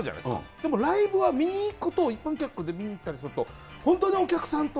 でもライブは見に行くと、一般客で見に行ったりすると、本当にお客さんと。